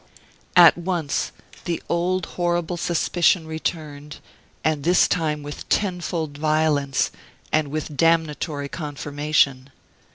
At once the old horrible suspicion returned, and this time with tenfold violence, and with damnatory confirmation.